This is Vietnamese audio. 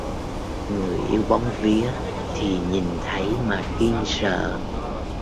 Người yếu bóng vía thì nhìn thấy mà kinh sợ